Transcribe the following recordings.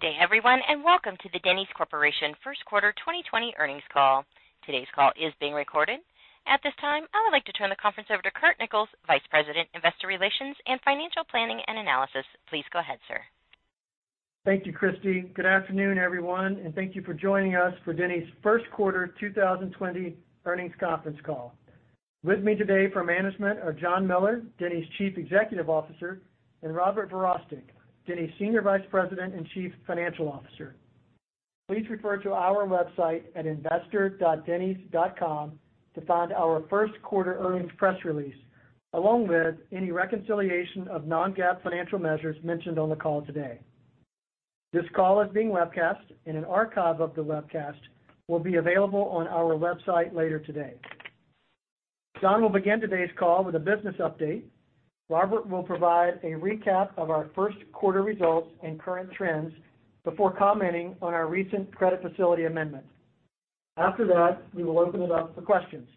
Good day, everyone, welcome to the Denny's Corporation First Quarter 2020 earnings call. Today's call is being recorded. At this time, I would like to turn the conference over to Curt Nichols, Vice President, Investor Relations and Financial Planning and Analysis. Please go ahead, sir. Thank you, Christy. Good afternoon, everyone, and thank you for joining us for Denny's first quarter 2020 earnings conference call. With me today for management are John Miller, Denny's Chief Executive Officer, and Robert Verostek, Denny's Senior Vice President and Chief Financial Officer. Please refer to our website at investor.dennys.com to find our first quarter earnings press release, along with any reconciliation of non-GAAP financial measures mentioned on the call today. This call is being webcast, and an archive of the webcast will be available on our website later today. John will begin today's call with a business update. Robert will provide a recap of our first quarter results and current trends before commenting on our recent credit facility amendment. After that, we will open it up for questions.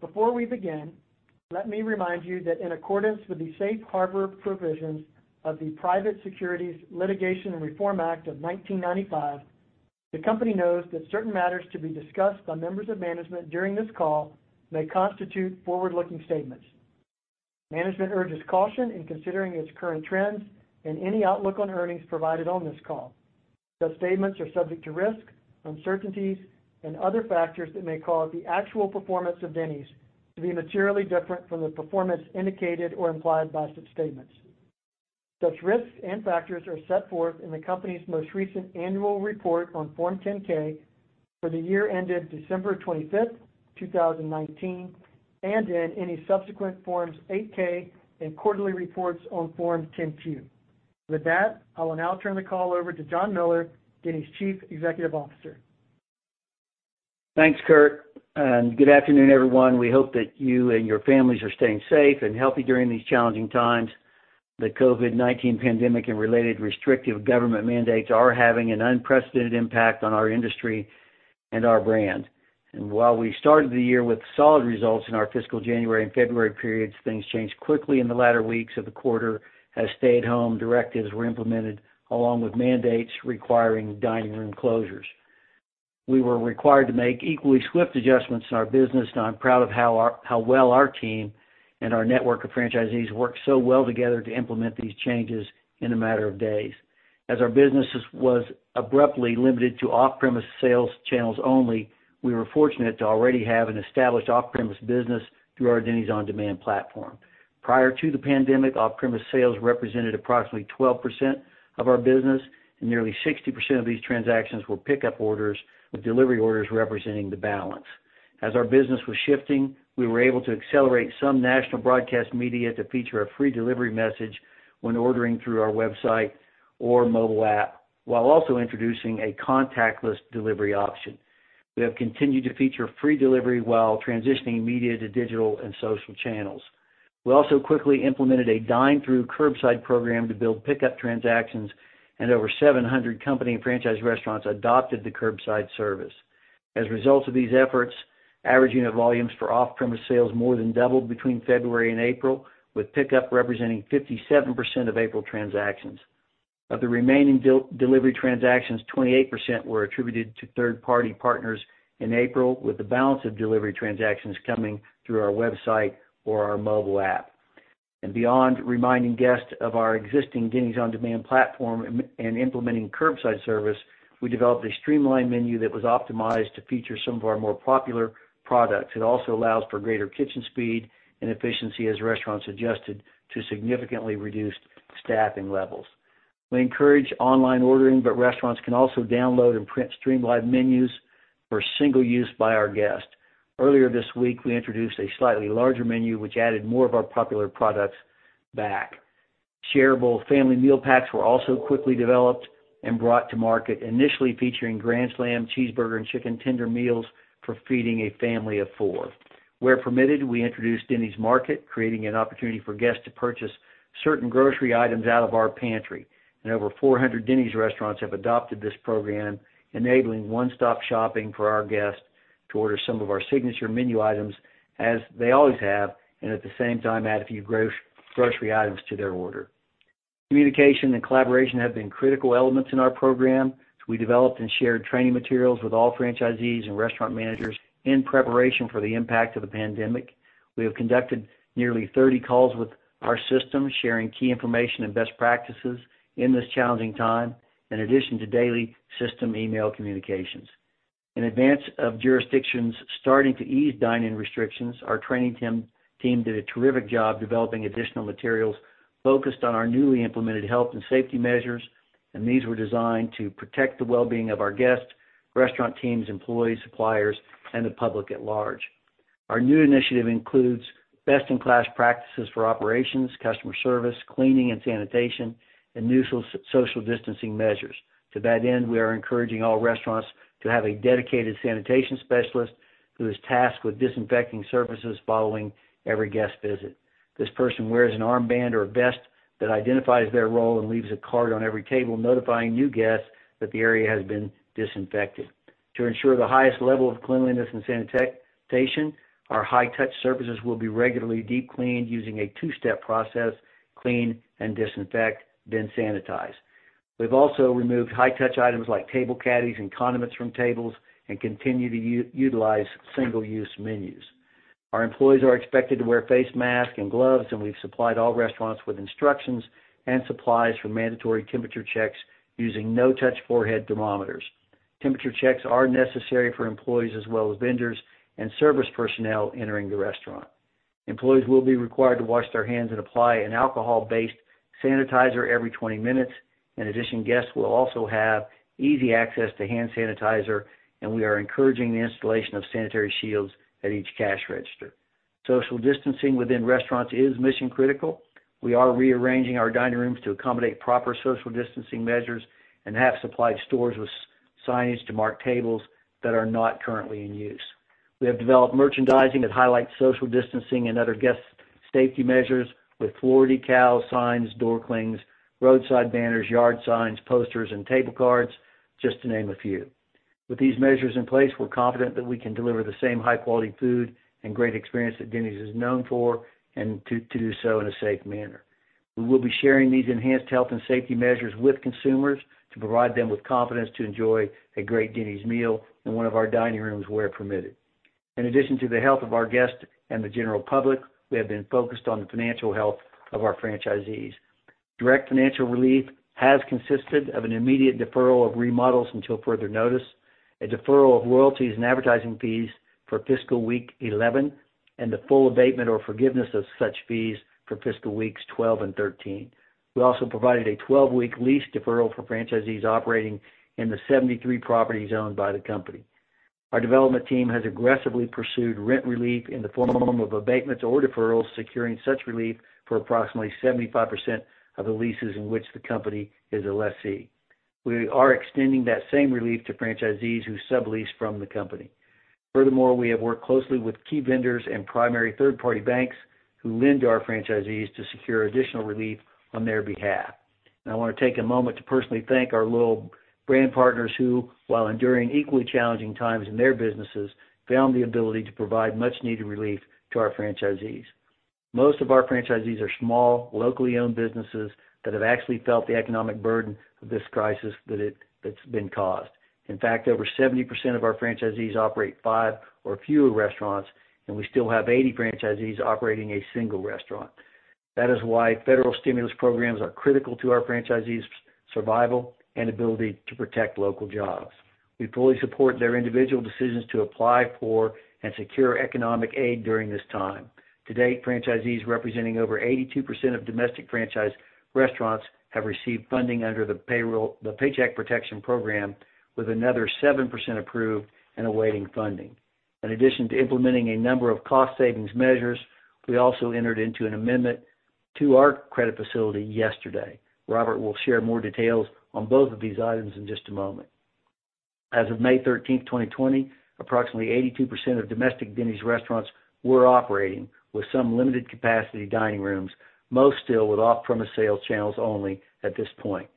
Before we begin, let me remind you that in accordance with the safe harbor provisions of the Private Securities Litigation and Reform Act of 1995, the company knows that certain matters to be discussed by members of management during this call may constitute forward-looking statements. Management urges caution in considering its current trends and any outlook on earnings provided on this call. Such statements are subject to risks, uncertainties, and other factors that may cause the actual performance of Denny's to be materially different from the performance indicated or implied by such statements. Such risks and factors are set forth in the company's most recent annual report on Form 10-K for the year ended December 25th, 2019, and in any subsequent Forms 8-K and quarterly reports on Form 10-Q. With that, I will now turn the call over to John Miller, Denny's Chief Executive Officer. Thanks, Curt, and good afternoon, everyone. We hope that you and your families are staying safe and healthy during these challenging times. The COVID-19 pandemic and related restrictive government mandates are having an unprecedented impact on our industry and our brand. While we started the year with solid results in our fiscal January and February periods, things changed quickly in the latter weeks of the quarter as stay-at-home directives were implemented along with mandates requiring dining room closures. We were required to make equally swift adjustments in our business, and I'm proud of how well our team and our network of franchisees worked so well together to implement these changes in a matter of days. As our business was abruptly limited to off-premise sales channels only, we were fortunate to already have an established off-premise business through our Denny's on Demand platform. Prior to the pandemic, off-premise sales represented approximately 12% of our business, and nearly 60% of these transactions were pickup orders, with delivery orders representing the balance. As our business was shifting, we were able to accelerate some national broadcast media to feature a free delivery message when ordering through our website or mobile app, while also introducing a contactless delivery option. We have continued to feature free delivery while transitioning media to digital and social channels. We also quickly implemented a dine-through curbside program to build pickup transactions, and over 700 company and franchise restaurants adopted the curbside service. As a result of these efforts, averaging of volumes for off-premise sales more than doubled between February and April, with pickup representing 57% of April transactions. Of the remaining delivery transactions, 28% were attributed to third-party partners in April, with the balance of delivery transactions coming through our website or our mobile app. Beyond reminding guests of our existing Denny's on Demand platform and implementing curbside service, we developed a streamlined menu that was optimized to feature some of our more popular products. It also allows for greater kitchen speed and efficiency as restaurants adjusted to significantly reduced staffing levels. We encourage online ordering, but restaurants can also download and print streamlined menus for single use by our guests. Earlier this week, we introduced a slightly larger menu, which added more of our popular products back. Shareable family meal packs were also quickly developed and brought to market, initially featuring Grand Slam, cheeseburger, and chicken tender meals for feeding a family of four. Where permitted, we introduced Denny's Market, creating an opportunity for guests to purchase certain grocery items out of our pantry. Over 400 Denny's restaurants have adopted this program, enabling one-stop shopping for our guests to order some of our signature menu items as they always have, and at the same time, add a few grocery items to their order. Communication and collaboration have been critical elements in our program, as we developed and shared training materials with all franchisees and restaurant managers in preparation for the impact of the pandemic. We have conducted nearly 30 calls with our system, sharing key information and best practices in this challenging time, in addition to daily system email communications. In advance of jurisdictions starting to ease dine-in restrictions, our training team did a terrific job developing additional materials focused on our newly implemented health and safety measures, these were designed to protect the well-being of our guests, restaurant teams, employees, suppliers, and the public at large. Our new initiative includes best-in-class practices for operations, customer service, cleaning and sanitation, and new social distancing measures. To that end, we are encouraging all restaurants to have a dedicated sanitation specialist who is tasked with disinfecting surfaces following every guest visit. This person wears an armband or a vest that identifies their role and leaves a card on every table notifying new guests that the area has been disinfected. To ensure the highest level of cleanliness and sanitation, our high-touch surfaces will be regularly deep cleaned using a two-step process, clean and disinfect, then sanitize. We've also removed high-touch items like table caddies and condiments from tables, and continue to utilize single-use menus. Our employees are expected to wear face masks and gloves, and we've supplied all restaurants with instructions and supplies for mandatory temperature checks using no-touch forehead thermometers. Temperature checks are necessary for employees as well as vendors and service personnel entering the restaurant. Employees will be required to wash their hands and apply an alcohol-based sanitizer every 20 minutes. In addition, guests will also have easy access to hand sanitizer, and we are encouraging the installation of sanitary shields at each cash register. Social distancing within restaurants is mission critical. We are rearranging our dining rooms to accommodate proper social distancing measures and have supplied stores with signage to mark tables that are not currently in use. We have developed merchandising that highlights social distancing and other guest safety measures with floor decals, signs, door clings, roadside banners, yard signs, posters, and table cards, just to name a few. With these measures in place, we're confident that we can deliver the same high quality food and great experience that Denny's is known for, and to do so in a safe manner. We will be sharing these enhanced health and safety measures with consumers to provide them with confidence to enjoy a great Denny's meal in one of our dining rooms where permitted. In addition to the health of our guests and the general public, we have been focused on the financial health of our franchisees. Direct financial relief has consisted of an immediate deferral of remodels until further notice, a deferral of royalties and advertising fees for fiscal week 11, and the full abatement or forgiveness of such fees for fiscal weeks 12 and 13. We also provided a 12-week lease deferral for franchisees operating in the 73 properties owned by the company. Our development team has aggressively pursued rent relief in the form of abatements or deferrals, securing such relief for approximately 75% of the leases in which the company is a lessee. We are extending that same relief to franchisees who sublease from the company. Furthermore, we have worked closely with key vendors and primary third-party banks who lend to our franchisees to secure additional relief on their behalf. Now I want to take a moment to personally thank our loyal brand partners who, while enduring equally challenging times in their businesses, found the ability to provide much needed relief to our franchisees. Most of our franchisees are small, locally owned businesses that have actually felt the economic burden of this crisis that's been caused. In fact, over 70% of our franchisees operate five or fewer restaurants, and we still have 80 franchisees operating a single restaurant. That is why federal stimulus programs are critical to our franchisees' survival and ability to protect local jobs. We fully support their individual decisions to apply for and secure economic aid during this time. To date, franchisees representing over 82% of domestic franchise restaurants have received funding under the Paycheck Protection Program, with another 7% approved and awaiting funding. In addition to implementing a number of cost savings measures, we also entered into an amendment to our credit facility yesterday. Robert will share more details on both of these items in just a moment. As of May 13th, 2020, approximately 82% of domestic Denny's restaurants were operating with some limited capacity dining rooms, most still with off-premise sales channels only at this point.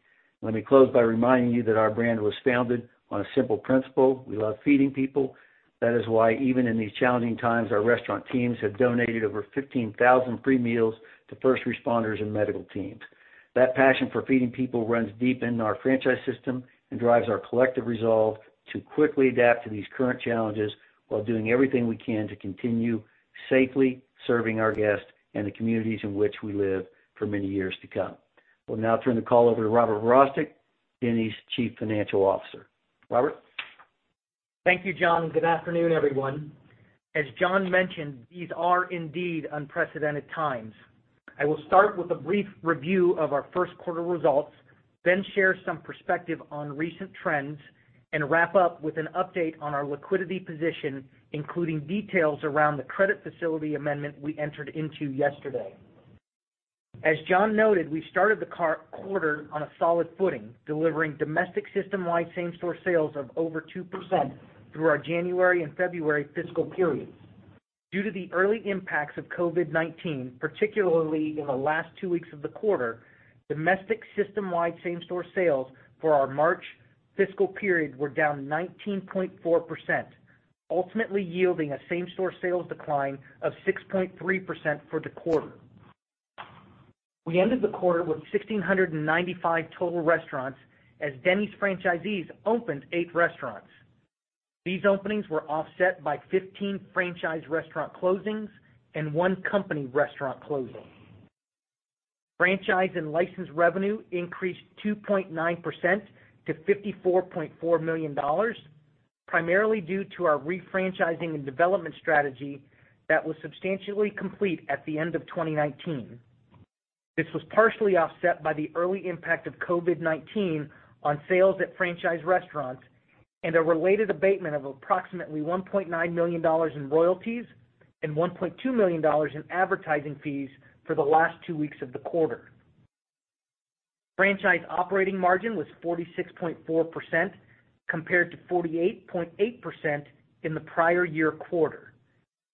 Let me close by reminding you that our brand was founded on a simple principle, we love feeding people. That is why, even in these challenging times, our restaurant teams have donated over 15,000 free meals to first responders and medical teams. That passion for feeding people runs deep in our franchise system and drives our collective resolve to quickly adapt to these current challenges while doing everything we can to continue safely serving our guests and the communities in which we live for many years to come. We'll now turn the call over to Robert Verostek, Denny's Chief Financial Officer. Robert? Thank you, John. Good afternoon, everyone. As John mentioned, these are indeed unprecedented times. I will start with a brief review of our first quarter results, then share some perspective on recent trends, and wrap up with an update on our liquidity position, including details around the credit facility amendment we entered into yesterday. As John noted, we started the quarter on a solid footing, delivering domestic systemwide same-store sales of over 2% through our January and February fiscal periods. Due to the early impacts of COVID-19, particularly in the last two weeks of the quarter, domestic systemwide same-store sales for our March fiscal period were down 19.4%, ultimately yielding a same-store sales decline of 6.3% for the quarter. We ended the quarter with 1,695 total restaurants, as Denny's franchisees opened eight restaurants. These openings were offset by 15 franchise restaurant closings and one company restaurant closing. Franchise and license revenue increased 2.9% to $54.4 million, primarily due to our refranchising and development strategy that was substantially complete at the end of 2019. This was partially offset by the early impact of COVID-19 on sales at franchise restaurants and a related abatement of approximately $1.9 million in royalties and $1.2 million in advertising fees for the last two weeks of the quarter. Franchise operating margin was 46.4%, compared to 48.8% in the prior year quarter.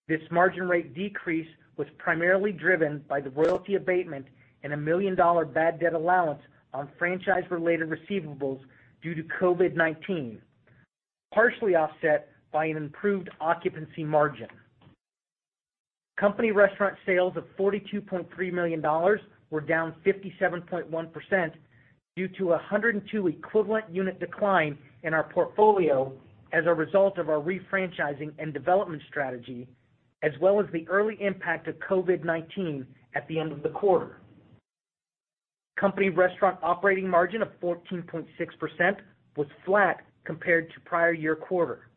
This margin rate decrease was primarily driven by the royalty abatement and a million-dollar bad debt allowance on franchise-related receivables due to COVID-19, partially offset by an improved occupancy margin. Company restaurant sales of $42.3 million were down 57.1% due to 102 equivalent unit decline in our portfolio as a result of our refranchising and development strategy, as well as the early impact of COVID-19 at the end of the quarter. Company restaurant operating margin of 14.6% was flat compared to prior year quarter.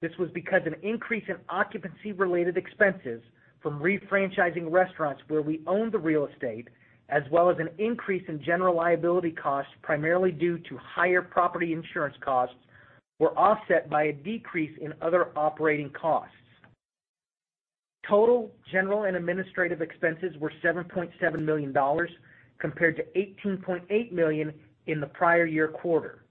This was because an increase in occupancy related expenses from re-franchising restaurants where we own the real estate, as well as an increase in general liability costs, primarily due to higher property insurance costs, were offset by a decrease in other operating costs. Total general and administrative expenses were $7.7 million compared to $18.8 million in the prior year quarter.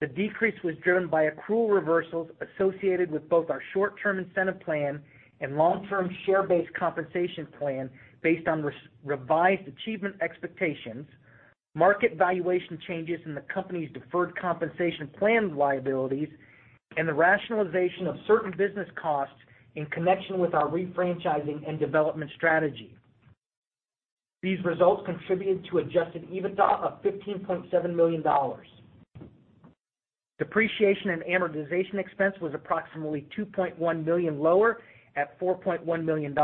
The decrease was driven by accrual reversals associated with both our short-term incentive plan and long-term share-based compensation plan based on revised achievement expectations, market valuation changes in the company's deferred compensation plan liabilities, and the rationalization of certain business costs in connection with our re-franchising and development strategy. These results contributed to adjusted EBITDA of $15.7 million. Depreciation and amortization expense was approximately $2.1 million lower at $4.1 million,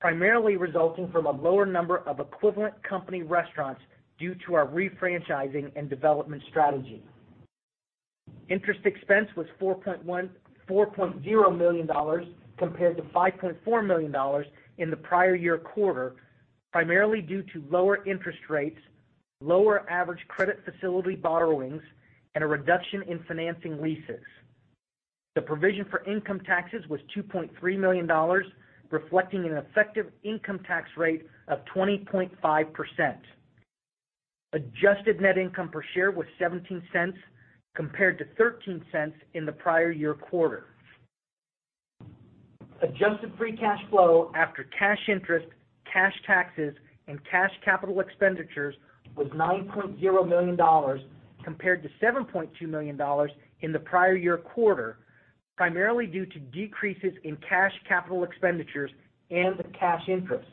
primarily resulting from a lower number of equivalent company restaurants due to our re-franchising and development strategy. Interest expense was $4.0 million compared to $5.4 million in the prior year quarter, primarily due to lower interest rates, lower average credit facility borrowings, and a reduction in financing leases. The provision for income taxes was $2.3 million, reflecting an effective income tax rate of 20.5%. Adjusted net income per share was $0.17 compared to $0.13 in the prior year quarter. Adjusted free cash flow after cash interest, cash taxes, and cash capital expenditures was $9.0 million compared to $7.2 million in the prior year quarter, primarily due to decreases in cash capital expenditures and cash interest.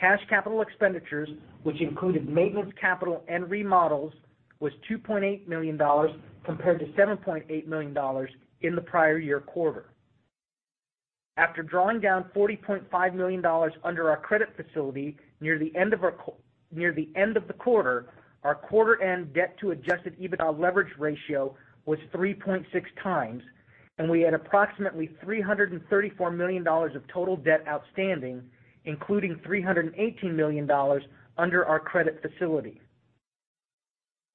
Cash capital expenditures, which included maintenance capital and remodels, was $2.8 million compared to $7.8 million in the prior year quarter. After drawing down $40.5 million under our credit facility near the end of the quarter, our quarter end debt to adjusted EBITDA leverage ratio was 3.6 times, and we had approximately $334 million of total debt outstanding, including $318 million under our credit facility.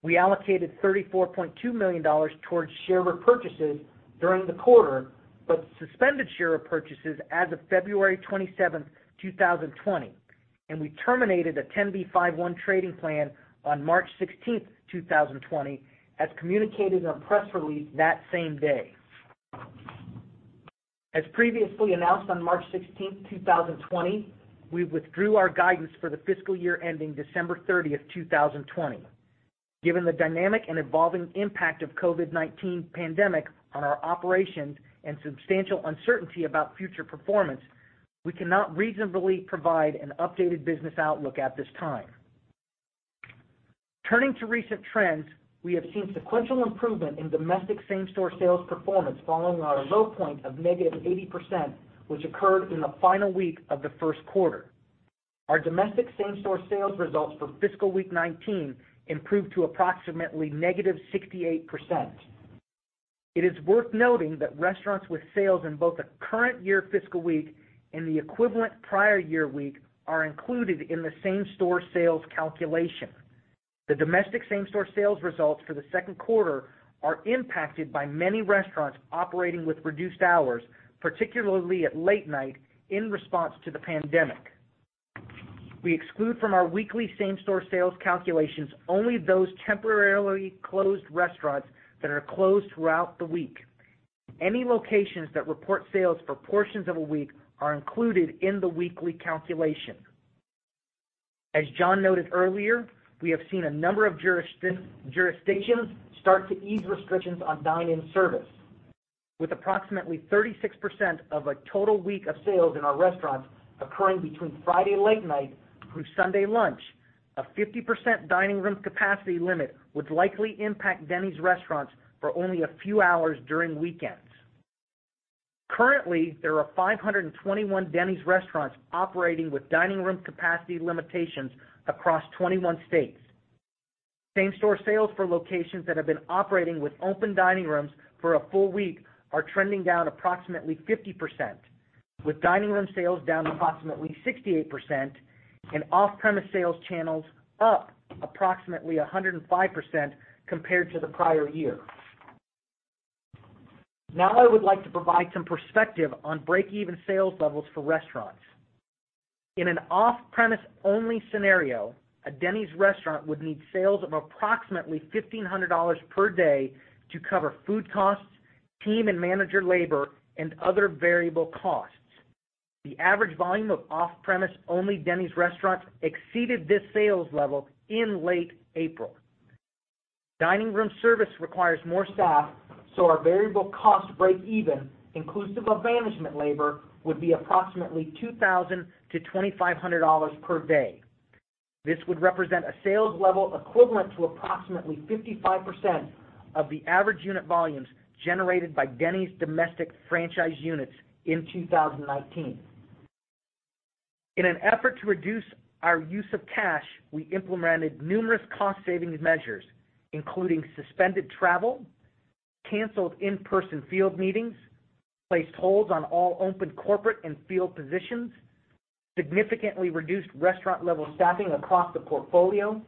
We allocated $34.2 million towards share repurchases during the quarter, but suspended share repurchases as of February 27th, 2020, and we terminated a Rule 10b5-1 trading plan on March 16th, 2020, as communicated in a press release that same day. As previously announced on March 16th, 2020, we withdrew our guidance for the fiscal year ending December 30th, 2020. Given the dynamic and evolving impact of COVID-19 pandemic on our operations and substantial uncertainty about future performance, we cannot reasonably provide an updated business outlook at this time. Turning to recent trends, we have seen sequential improvement in domestic same-store sales performance following our low point of negative 80%, which occurred in the final week of the first quarter. Our domestic same-store sales results for fiscal week 19 improved to approximately negative 68%. It is worth noting that restaurants with sales in both the current year fiscal week and the equivalent prior year week are included in the same-store sales calculation. The domestic same-store sales results for the second quarter are impacted by many restaurants operating with reduced hours, particularly at late night in response to the pandemic. We exclude from our weekly same-store sales calculations only those temporarily closed restaurants that are closed throughout the week. Any locations that report sales for portions of a week are included in the weekly calculation. As John noted earlier, we have seen a number of jurisdictions start to ease restrictions on dine-in service. With approximately 36% of a total week of sales in our restaurants occurring between Friday late night through Sunday lunch, a 50% dining room capacity limit would likely impact Denny's restaurants for only a few hours during weekends. Currently, there are 521 Denny's restaurants operating with dining room capacity limitations across 21 states. Same-store sales for locations that have been operating with open dining rooms for a full week are trending down approximately 50%, with dining room sales down approximately 68% and off-premise sales channels up approximately 105% compared to the prior year. Now, I would like to provide some perspective on break-even sales levels for restaurants. In an off-premise only scenario, a Denny's restaurant would need sales of approximately $1,500 per day to cover food costs, team and manager labor, and other variable costs. The average volume of off-premise only Denny's restaurants exceeded this sales level in late April. Dining room service requires more staff, so our variable cost breakeven, inclusive of management labor, would be approximately $2,000-$2,500 per day. This would represent a sales level equivalent to approximately 55% of the average unit volumes generated by Denny's domestic franchise units in 2019. In an effort to reduce our use of cash, we implemented numerous cost saving measures, including suspended travel, canceled in-person field meetings, placed holds on all open corporate and field positions, significantly reduced restaurant level staffing across the portfolio,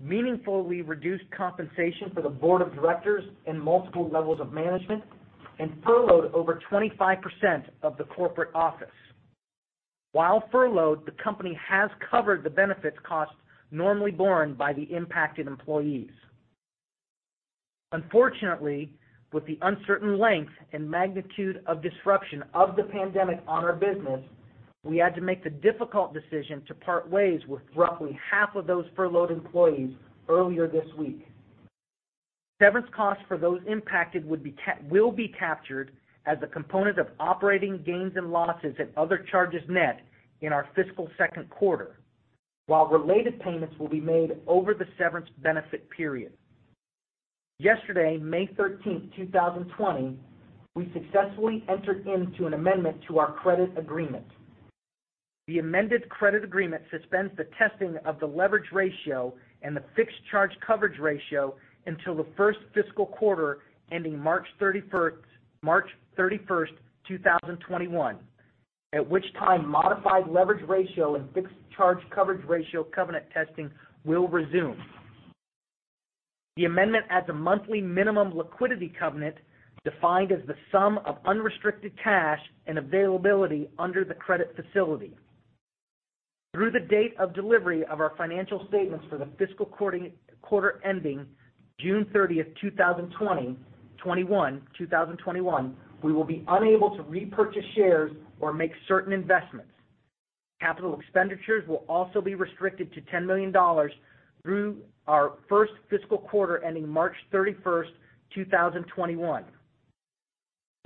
meaningfully reduced compensation for the board of directors and multiple levels of management, and furloughed over 25% of the corporate office. While furloughed, the company has covered the benefits costs normally borne by the impacted employees. Unfortunately, with the uncertain length and magnitude of disruption of the pandemic on our business, we had to make the difficult decision to part ways with roughly half of those furloughed employees earlier this week. Severance costs for those impacted will be captured as a component of operating gains and losses and other charges net in our fiscal second quarter, while related payments will be made over the severance benefit period. Yesterday, May 13, 2020, we successfully entered into an amendment to our credit agreement. The amended credit agreement suspends the testing of the leverage ratio and the fixed charge coverage ratio until the first fiscal quarter ending March 31st, 2021, at which time modified leverage ratio and fixed charge coverage ratio covenant testing will resume. The amendment adds a monthly minimum liquidity covenant, defined as the sum of unrestricted cash and availability under the credit facility. Through the date of delivery of our financial statements for the fiscal quarter ending June 30th, 2021, we will be unable to repurchase shares or make certain investments. Capital expenditures will also be restricted to $10 million through our first fiscal quarter ending March 31st, 2021.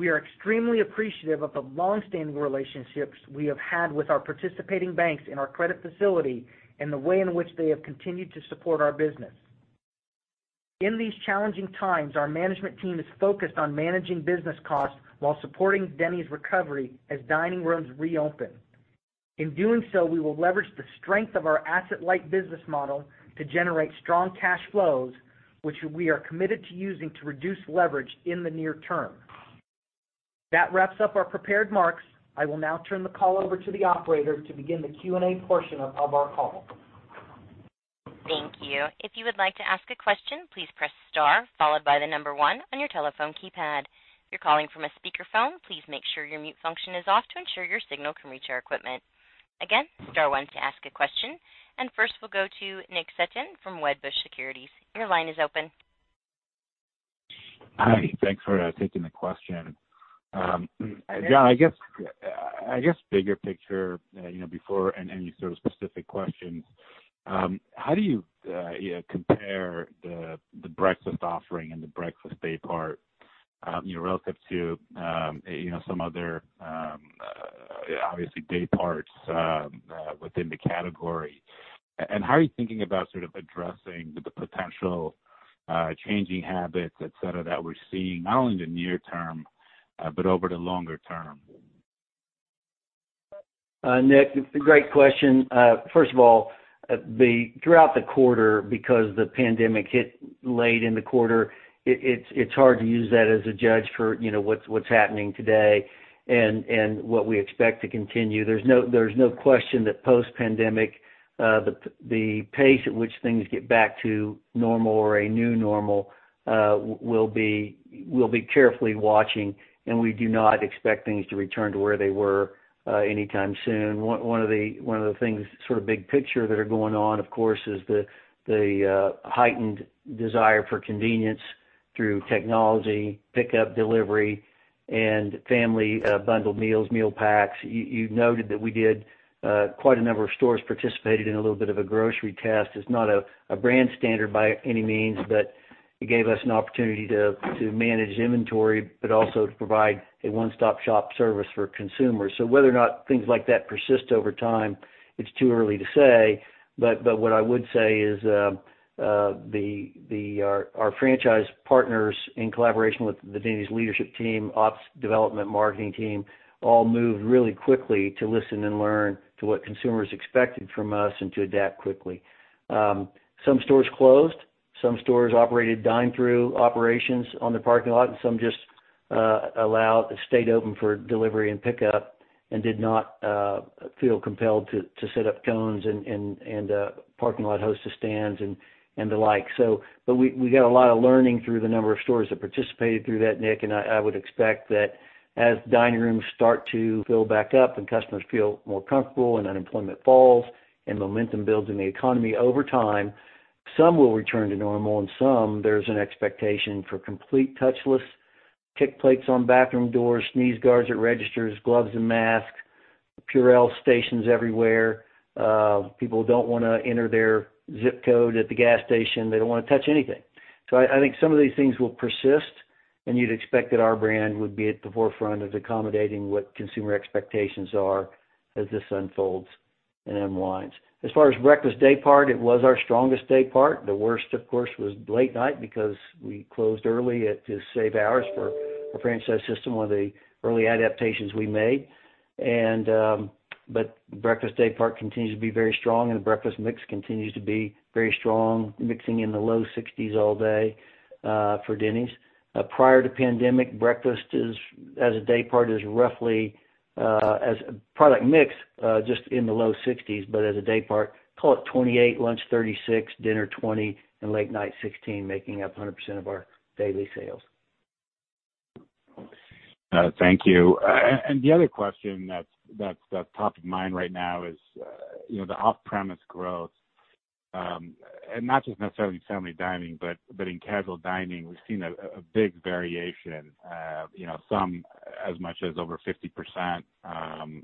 We are extremely appreciative of the longstanding relationships we have had with our participating banks in our credit facility, and the way in which they have continued to support our business. In these challenging times, our management team is focused on managing business costs while supporting Denny's recovery as dining rooms reopen. In doing so, we will leverage the strength of our asset light business model to generate strong cash flows, which we are committed to using to reduce leverage in the near term. That wraps up our prepared remarks. I will now turn the call over to the operator to begin the Q&A portion of our call. Thank you. If you would like to ask a question, please press star followed by the number 1 on your telephone keypad. If you're calling from a speakerphone, please make sure your mute function is off to ensure your signal can reach our equipment. Again, star one to ask a question. First we'll go to Nick Setyan from Wedbush Securities. Your line is open. Hi. Thanks for taking the question. Yes. John, I guess, bigger picture, before any sort of specific questions, how do you compare the breakfast offering and the breakfast day part, relative to some other, obviously, day parts within the category? How are you thinking about sort of addressing the potential changing habits, et cetera, that we're seeing, not only in the near term, but over the longer term? Nick, it's a great question. First of all, throughout the quarter because the pandemic hit late in the quarter, it's hard to use that as a judge for what's happening today and what we expect to continue. There's no question that post pandemic, the pace at which things get back to normal or a new normal, we'll be carefully watching, and we do not expect things to return to where they were anytime soon. One of the things sort of big picture that are going on, of course, is the heightened desire for convenience through technology, pickup, delivery, and family bundled meals, meal packs. You noted that we did quite a number of stores participated in a little bit of a grocery test. It's not a brand standard by any means, but it gave us an opportunity to manage inventory, but also to provide a one-stop shop service for consumers. Whether or not things like that persist over time, it's too early to say. What I would say is our franchise partners, in collaboration with the Denny's leadership team, ops, development, marketing team, all moved really quickly to listen and learn to what consumers expected from us and to adapt quickly. Some stores closed, some stores operated dine through operations on the parking lot, and some just stayed open for delivery and pickup and did not feel compelled to set up cones and parking lot hostess stands and the like. We got a lot of learning through the number of stores that participated through that, Nick. I would expect that as dining rooms start to fill back up and customers feel more comfortable and unemployment falls and momentum builds in the economy over time Some will return to normal, and some, there's an expectation for complete touchless kick plates on bathroom doors, sneeze guards at registers, gloves and masks, Purell stations everywhere. People don't want to enter their ZIP code at the gas station. They don't want to touch anything. I think some of these things will persist, and you'd expect that our brand would be at the forefront of accommodating what consumer expectations are as this unfolds and unwinds. As far as breakfast daypart, it was our strongest daypart. The worst, of course, was late night because we closed early to save hours for our franchise system, one of the early adaptations we made. Breakfast daypart continues to be very strong, and the breakfast mix continues to be very strong, mixing in the low 60s all day for Denny's. Prior to pandemic, breakfast as a daypart is roughly, as a product mix, just in the low 60s. As a daypart, call it 28, lunch 36, dinner 20, and late night 16, making up 100% of our daily sales. Thank you. The other question that's top of mind right now is the off-premise growth. Not just necessarily family dining, but in casual dining, we've seen a big variation. Some as much as over 50%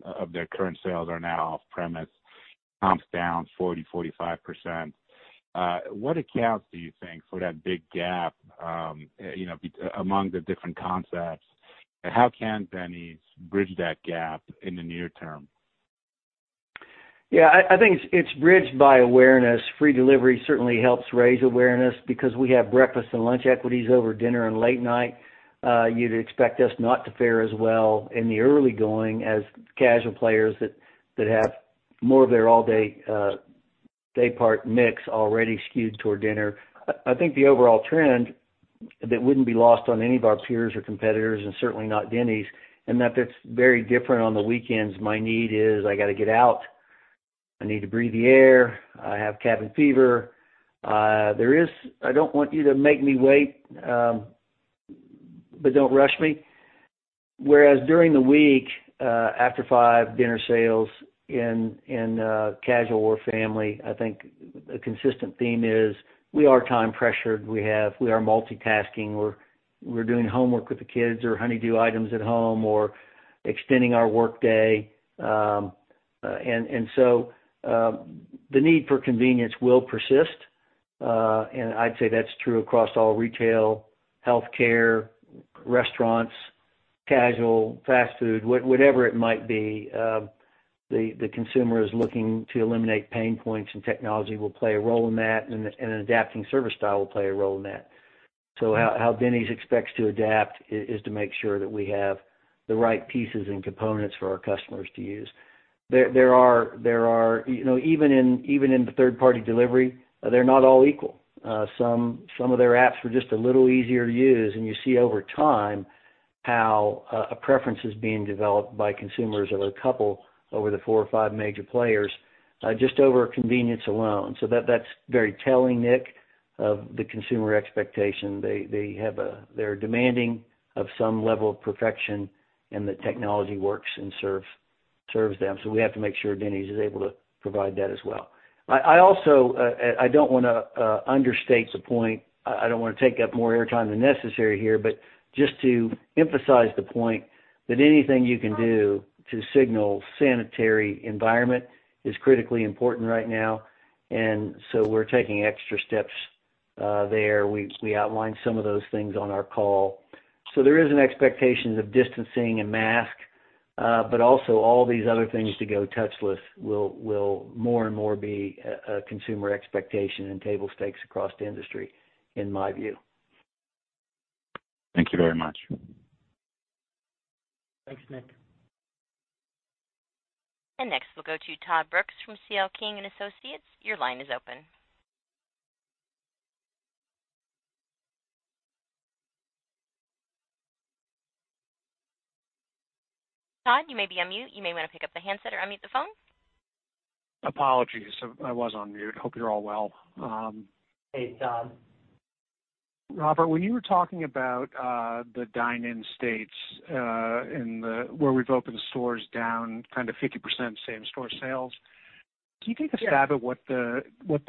of their current sales are now off premise, comps down 40%, 45%. What accounts do you think for that big gap among the different concepts? How can Denny's bridge that gap in the near term? Yeah, I think it's bridged by awareness. Free delivery certainly helps raise awareness because we have breakfast and lunch equities over dinner and late night. You'd expect us not to fare as well in the early going as casual players that have more of their all-day daypart mix already skewed toward dinner. I think the overall trend that wouldn't be lost on any of our peers or competitors, and certainly not Denny's, in that that's very different on the weekends. My need is I got to get out. I need to breathe the air. I have cabin fever. I don't want you to make me wait, but don't rush me. Whereas during the week, after 5:00, dinner sales in casual or family, I think a consistent theme is we are time-pressured. We are multitasking. We're doing homework with the kids or honey-do items at home or extending our workday. The need for convenience will persist, and I'd say that's true across all retail, healthcare, restaurants, casual, fast food, whatever it might be. The consumer is looking to eliminate pain points, and technology will play a role in that, and an adapting service style will play a role in that. How Denny's expects to adapt is to make sure that we have the right pieces and components for our customers to use. Even in the third-party delivery, they're not all equal. Some of their apps were just a little easier to use, and you see over time how a preference is being developed by consumers of a couple over the four or five major players, just over convenience alone. That's very telling, Nick, of the consumer expectation. They're demanding of some level of perfection, and the technology works and serves them. We have to make sure Denny's is able to provide that as well. I don't want to understate the point. I don't want to take up more air time than necessary here, but just to emphasize the point that anything you can do to signal sanitary environment is critically important right now. We're taking extra steps there. We outlined some of those things on our call. There is an expectation of distancing and mask, but also all these other things to go touchless will more and more be a consumer expectation and table stakes across the industry, in my view. Thank you very much. Thanks, Nick. Next we'll go to Todd Brooks from C.L. King & Associates. Your line is open. Todd, you may be on mute. You may want to pick up the handset or unmute the phone. Apologies. I was on mute. Hope you're all well. Hey, Todd. Robert, when you were talking about the dine-in states, where we've opened stores down 50% same-store sales, can you take a stab at what the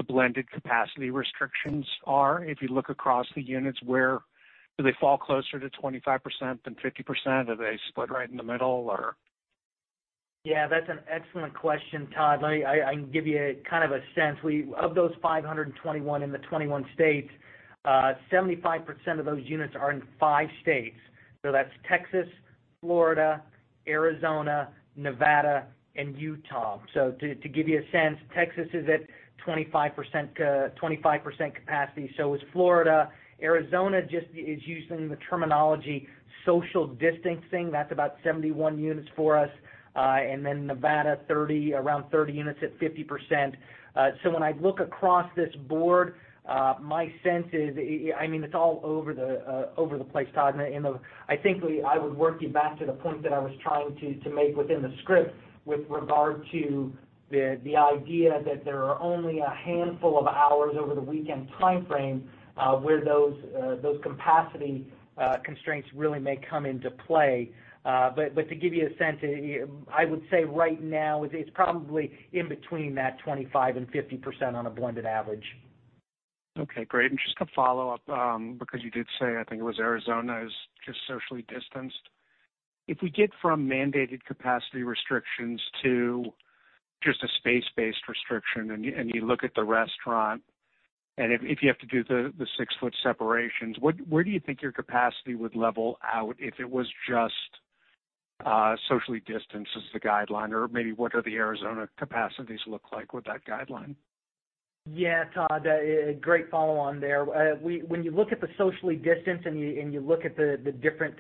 blended capacity restrictions are if you look across the units? Do they fall closer to 25% than 50%? Are they split right in the middle? Yeah, that's an excellent question, Todd. I can give you a sense. Of those 521 in the 21 states, 75% of those units are in five states. That's Texas, Florida, Arizona, Nevada, and Utah. To give you a sense, Texas is at 25% capacity. Is Florida. Arizona just is using the terminology social distancing. That's about 71 units for us. Nevada, around 30 units at 50%. When I look across this board, my sense is it's all over the place, Todd. I think I would work you back to the point that I was trying to make within the script with regard to the idea that there are only a handful of hours over the weekend timeframe where those capacity constraints really may come into play. To give you a sense, I would say right now, it's probably in between that 25% and 50% on a blended average. Okay, great. Just a follow-up, because you did say, I think it was Arizona is just socially distanced. If we get from mandated capacity restrictions to just a space-based restriction, and you look at the restaurant, and if you have to do the six-foot separations, where do you think your capacity would level out if it was just socially distanced as the guideline? Maybe what do the Arizona capacities look like with that guideline? Yeah, Todd, great follow on there. When you look at the socially distance and you look at the different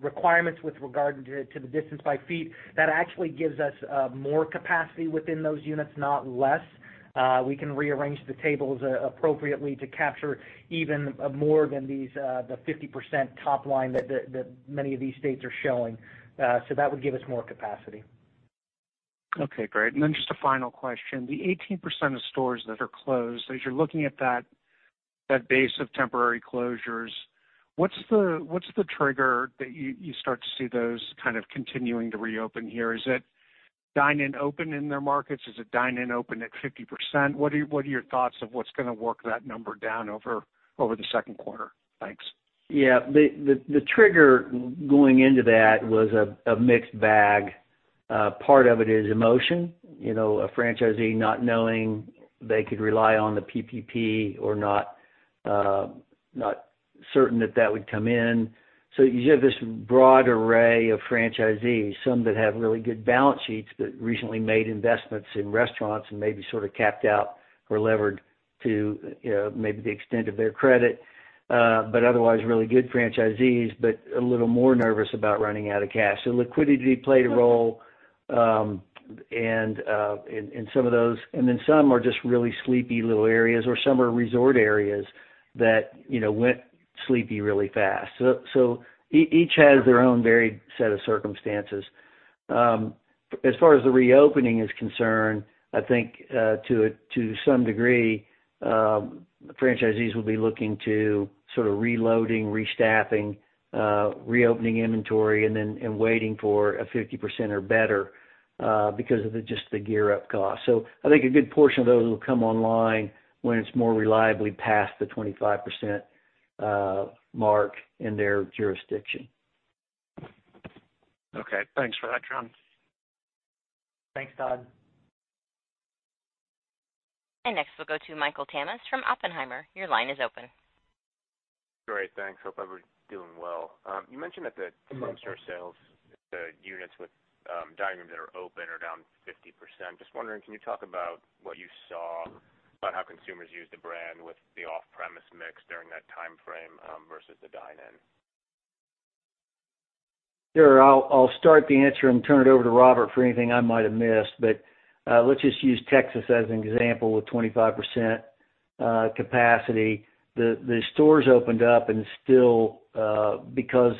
requirements with regard to the distance by feet, that actually gives us more capacity within those units, not less. We can rearrange the tables appropriately to capture even more than the 50% top line that many of these states are showing. That would give us more capacity. Okay, great. Just a final question. The 18% of stores that are closed, as you're looking at that base of temporary closures, what's the trigger that you start to see those kind of continuing to reopen here? Is it dine-in open in their markets? Is it dine-in open at 50%? What are your thoughts of what's going to work that number down over the second quarter? Thanks. Yeah. The trigger going into that was a mixed bag. Part of it is emotion, a franchisee not knowing they could rely on the PPP or not certain that that would come in. You have this broad array of franchisees, some that have really good balance sheets, but recently made investments in restaurants and may be sort of capped out or levered to maybe the extent of their credit. Otherwise, really good franchisees, but a little more nervous about running out of cash. Liquidity played a role in some of those, and then some are just really sleepy little areas, or some are resort areas that went sleepy really fast. Each has their own varied set of circumstances. As far as the reopening is concerned, I think to some degree, franchisees will be looking to sort of reloading, restaffing, reopening inventory, and then waiting for a 50% or better because of just the gear-up cost. I think a good portion of those will come online when it's more reliably past the 25% mark in their jurisdiction. Okay. Thanks for that, John. Thanks, Todd. Next we'll go to Michael Tamas from Oppenheimer. Your line is open. Great. Thanks. Hope everybody's doing well. You mentioned that the comp store sales, the units with dining rooms that are open are down 50%. Just wondering, can you talk about what you saw about how consumers used the brand with the off-premise mix during that timeframe versus the dine-in? Sure. I'll start the answer and turn it over to Robert for anything I might have missed. Let's just use Texas as an example with 25% capacity. The stores opened up and still because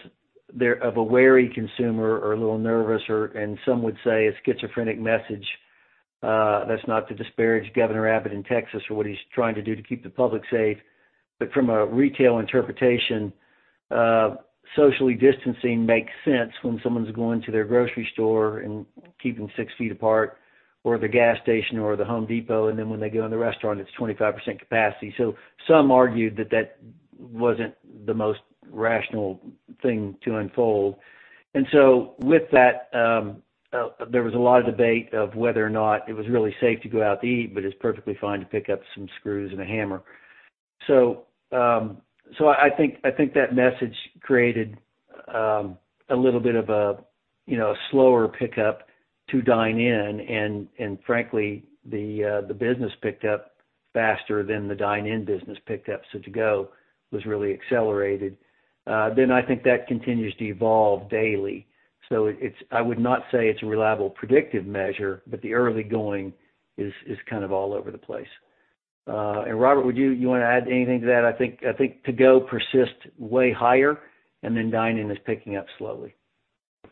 of a wary consumer or a little nervous or, and some would say, a schizophrenic message. That's not to disparage Governor Abbott in Texas or what he's trying to do to keep the public safe. From a retail interpretation, socially distancing makes sense when someone's going to their grocery store and keeping six feet apart, or the gas station or The Home Depot, and then when they go in the restaurant, it's 25% capacity. Some argued that that wasn't the most rational thing to unfold. With that, there was a lot of debate of whether or not it was really safe to go out to eat, but it's perfectly fine to pick up some screws and a hammer. I think that message created a little bit of a slower pickup to dine-in, and frankly, the business picked up faster than the dine-in business picked up. To-go was really accelerated. I think that continues to evolve daily. I would not say it's a reliable predictive measure, but the early going is kind of all over the place. Robert, would you want to add anything to that? I think to-go persists way higher, and then dine-in is picking up slowly.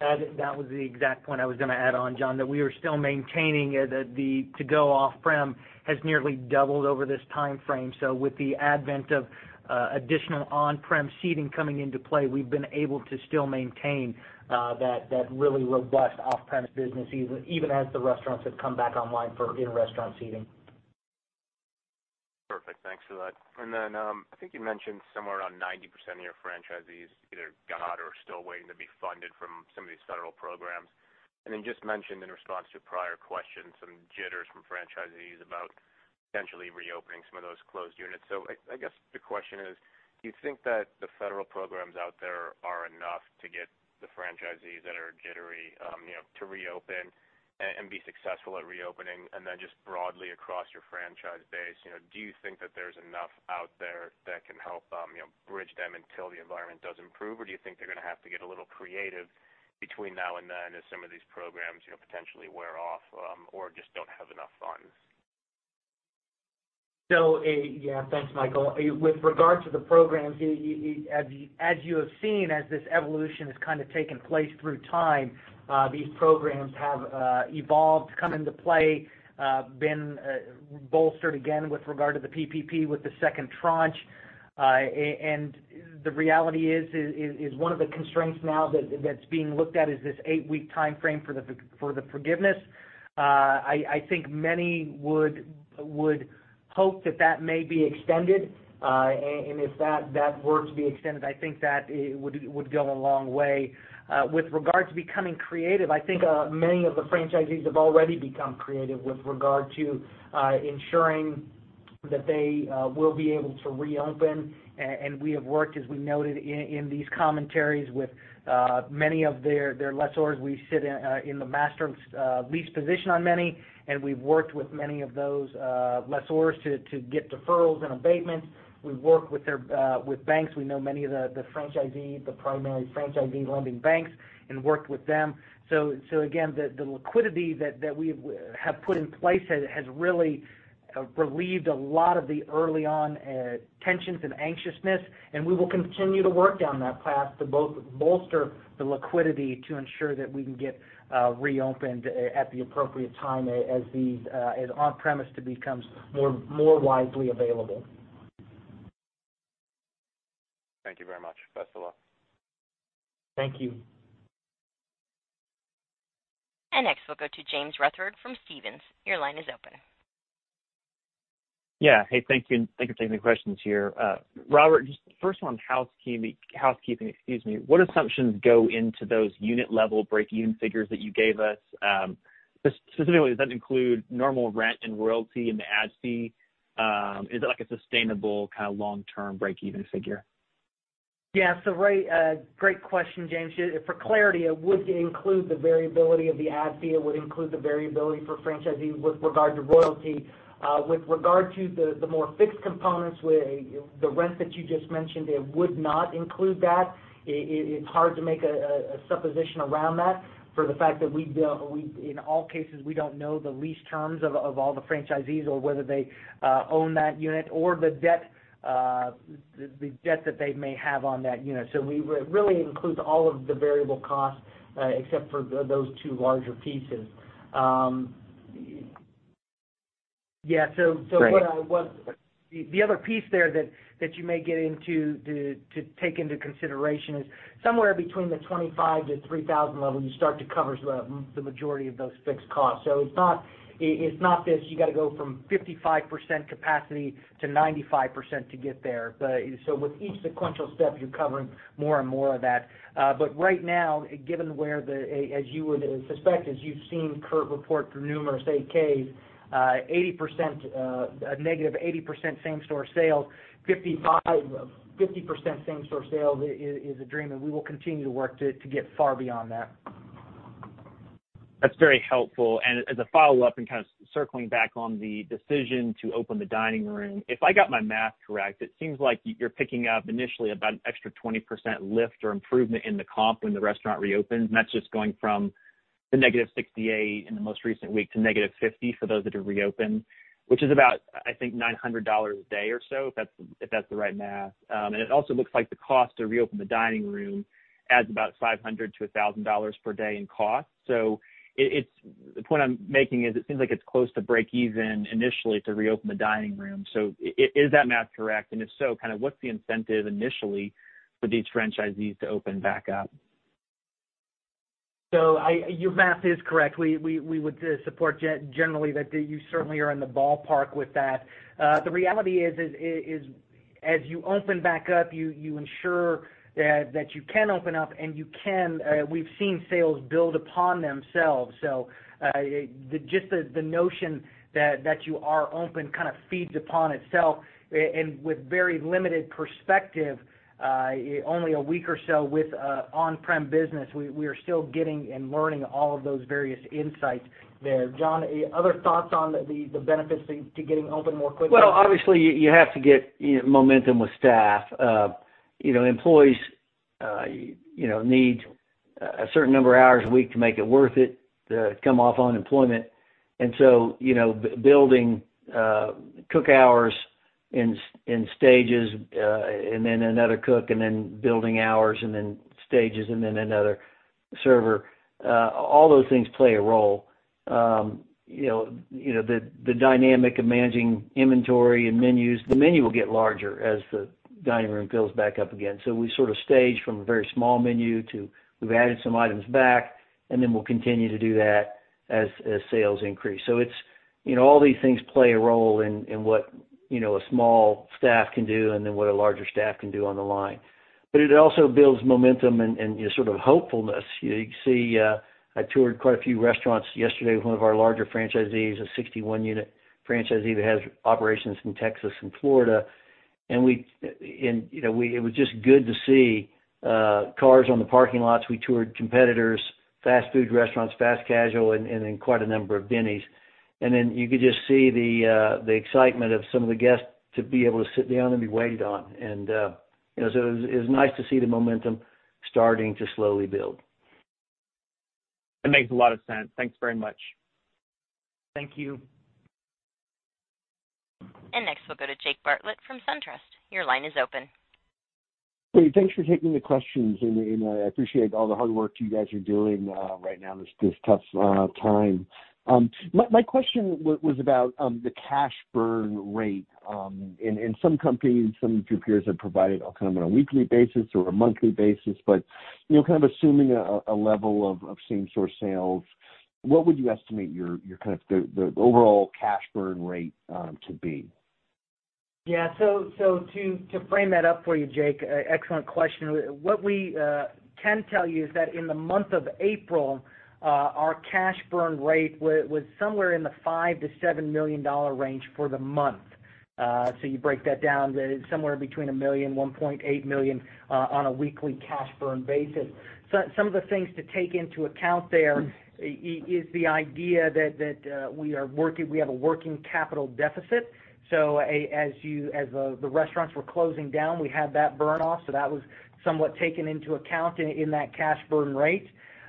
That was the exact point I was going to add on, John, that we are still maintaining the to-go off-prem has nearly doubled over this timeframe. With the advent of additional on-prem seating coming into play, we've been able to still maintain that really robust off-premise business, even as the restaurants have come back online for in-restaurant seating. Perfect. Thanks for that. I think you mentioned somewhere around 90% of your franchisees either got or are still waiting to be funded from some of these federal programs. Just mentioned in response to a prior question, some jitters from franchisees about potentially reopening some of those closed units. I guess the question is: Do you think that the federal programs out there are enough to get the franchisees that are jittery to reopen and be successful at reopening? Just broadly across your franchise base, do you think that there's enough out there that can help bridge them until the environment does improve? Do you think they're going to have to get a little creative between now and then as some of these programs potentially wear off or just don't have enough funds? Yeah. Thanks, Michael. With regard to the programs, as you have seen, as this evolution has kind of taken place through time, these programs have evolved, come into play, been bolstered again with regard to the PPP with the second tranche. The reality is, one of the constraints now that's being looked at is this eight-week timeframe for the forgiveness. I think many would hope that that may be extended, and if that were to be extended, I think that it would go a long way. With regard to becoming creative, I think many of the franchisees have already become creative with regard to ensuring that they will be able to reopen. We have worked, as we noted in these commentaries, with many of their lessors. We sit in the master lease position on many, and we've worked with many of those lessors to get deferrals and abatements. We've worked with banks. We know many of the primary franchisee lending banks and worked with them. Again, the liquidity that we have put in place has really relieved a lot of the early on tensions and anxiousness, and we will continue to work down that path to both bolster the liquidity to ensure that we can get reopened at the appropriate time as on-premise becomes more widely available. Thank you very much. Best of luck. Thank you. Next, we'll go to James Rutherford from Stephens. Your line is open. Hey, thank you. Thank you for taking the questions here. Robert, just first on housekeeping. Excuse me. What assumptions go into those unit level breakeven figures that you gave us? Specifically, does that include normal rent and royalty in the ad fee? Is it like a sustainable kind of long-term breakeven figure? Yeah. Great question, James. For clarity, it would include the variability of the ad fee. It would include the variability for franchisees with regard to royalty. With regard to the more fixed components with the rent that you just mentioned, it would not include that. It's hard to make a supposition around that for the fact that in all cases, we don't know the lease terms of all the franchisees or whether they own that unit or the debt that they may have on that unit. It really includes all of the variable costs, except for those two larger pieces. The other piece there that you may get into to take into consideration is somewhere between the 25-3,000 level, you start to cover the majority of those fixed costs. It's not this, you got to go from 55% capacity to 95% to get there. With each sequential step, you're covering more and more of that. Right now, given where as you would suspect, as you've seen Curt report through numerous 8-Ks, -80% same store sales, 50% same store sales is a dream, and we will continue to work to get far beyond that. That's very helpful. As a follow-up, and kind of circling back on the decision to open the dining room, if I got my math correct, it seems like you're picking up initially about an extra 20% lift or improvement in the comp when the restaurant reopens, and that's just going from the -68 in the most recent week to -50 for those that have reopened, which is about, I think $900 a day or so, if that's the right math. It also looks like the cost to reopen the dining room adds about $500-$1,000 per day in cost. The point I'm making is it seems like it's close to breakeven initially to reopen the dining room. Is that math correct? If so, kind of what's the incentive initially for these franchisees to open back up? Your math is correct. We would support generally that you certainly are in the ballpark with that. The reality is, as you open back up, you ensure that you can open up and you can. We've seen sales build upon themselves. Just the notion that you are open kind of feeds upon itself. With very limited perspective, only a week or so with on-prem business, we are still getting and learning all of those various insights there. John, other thoughts on the benefits to getting open more quickly? Well, obviously you have to get momentum with staff. Employees need a certain number of hours a week to make it worth it to come off unemployment. Building cook hours in stages, and then another cook, and then building hours, and then stages, and then another server. All those things play a role. The dynamic of managing inventory and menus. The menu will get larger as the dining room builds back up again. We sort of stage from a very small menu to we've added some items back, and then we'll continue to do that as sales increase. All these things play a role in what a small staff can do and then what a larger staff can do on the line. It also builds momentum and sort of hopefulness. I toured quite a few restaurants yesterday with one of our larger franchisees, a 61-unit franchisee that has operations in Texas and Florida, and it was just good to see cars on the parking lots. We toured competitors, fast food restaurants, fast casual, and then quite a number of Denny's. You could just see the excitement of some of the guests to be able to sit down and be waited on. It was nice to see the momentum starting to slowly build. That makes a lot of sense. Thanks very much. Thank you. Next, we'll go to Jake Bartlett from SunTrust. Your line is open. Hey, thanks for taking the questions. I appreciate all the hard work you guys are doing right now in this tough time. My question was about the cash burn rate. In some companies, some of your peers have provided on a weekly basis or a monthly basis, but assuming a level of same-store sales, what would you estimate the overall cash burn rate to be? To frame that up for you, Jake, excellent question. What we can tell you is that in the month of April, our cash burn rate was somewhere in the $5 million-$7 million range for the month. You break that down, that is somewhere between $1 million, $1.8 million on a weekly cash burn basis. Some of the things to take into account there is the idea that we have a working capital deficit. As the restaurants were closing down, we had that burn off, so that was somewhat taken into account in that cash burn rate.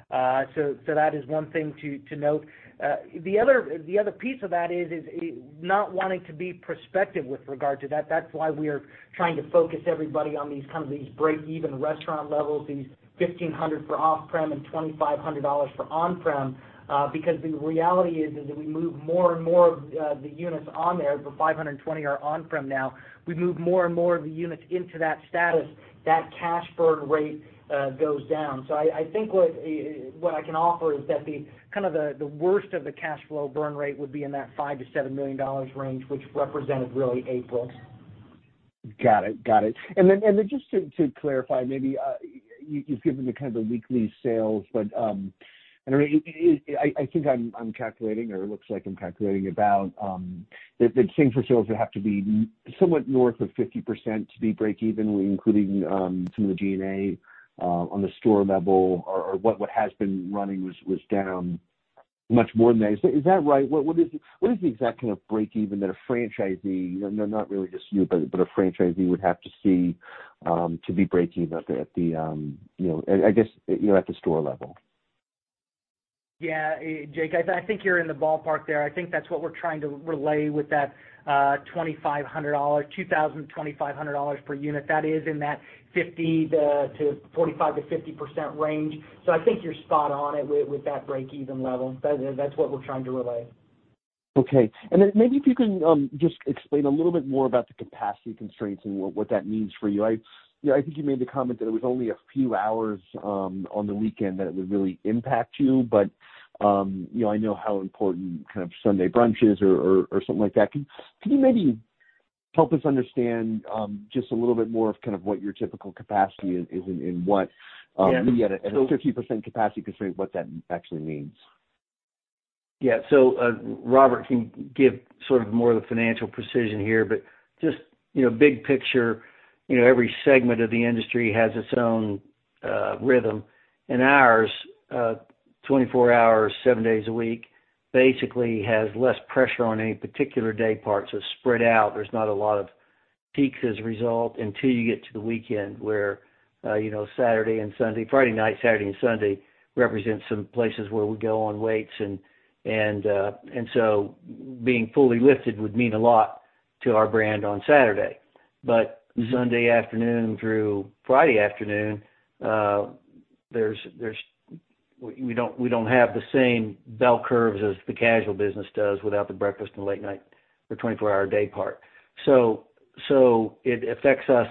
That is one thing to note. The other piece of that is, not wanting to be prospective with regard to that's why we are trying to focus everybody on these break-even restaurant levels, these $1,500 for off-prem and $2,500 for on-prem, because the reality is that we move more and more of the units on there, over 520 are on-prem now. We move more and more of the units into that status, that cash burn rate goes down. I think what I can offer is that the worst of the cash flow burn rate would be in that $5 million-$7 million range, which represented really April. Got it. Just to clarify, maybe you've given the weekly sales, but I think I'm calculating, or it looks like I'm calculating about that same-store sales would have to be somewhat north of 50% to be break even, including some of the G&A on the store level, or what has been running was down much more than that. Is that right? What is the exact break even that a franchisee, not really just you, but a franchisee would have to see to be breaking even at the store level? Yeah. Jake, I think you're in the ballpark there. I think that's what we're trying to relay with that $2,000-$2,500 per unit. That is in that 45%-50% range. I think you're spot on it with that break-even level. That's what we're trying to relay. Okay. Maybe if you can just explain a little bit more about the capacity constraints and what that means for you. I think you made the comment that it was only a few hours on the weekend that it would really impact you. I know how important Sunday brunch is or something like that. Can you maybe help us understand just a little bit more of what your typical capacity is. Yeah at a 50% capacity constraint, what that actually means? Yeah. Robert can give more of the financial precision here, but just big picture, every segment of the industry has its own rhythm. Ours, 24 hours, seven days a week, basically has less pressure on any particular day part. It's spread out. There's not a lot of peaks as a result until you get to the weekend where Friday night, Saturday and Sunday represents some places where we go on waits, and so being fully lifted would mean a lot to our brand on Saturday. Sunday afternoon through Friday afternoon, we don't have the same bell curves as the casual business does without the breakfast and late night or 24-hour day part. It affects us